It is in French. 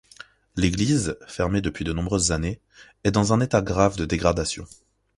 L'église, fermée depuis de nombreuses années, est dans un état grave de dégradation.